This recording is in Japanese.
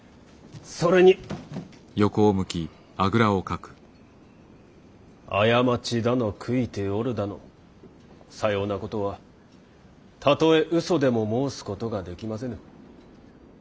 それに過ちだの悔いておるだのさようなことはたとえ嘘でも申すことができませぬ。